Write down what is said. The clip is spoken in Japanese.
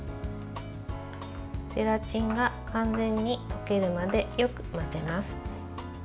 ゼラチンが完全に溶けるまでよく混ぜます。